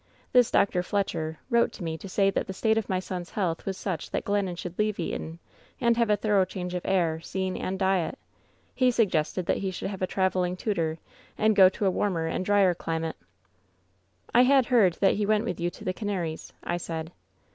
This Dr. Fletcher wrote to me to say that the state of my son's health was such that Glennon should leave Tton and have a thorough change of air, scene and diet. He suggested that he should have a traveling tutor, and go to a warmer and drier climate.' " *I had heard that he went with you to the Canaries/ I said.